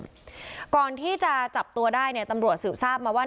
ก่อนที่จะจับตัวได้เนี่ยตำรวจสืบทราบมาว่า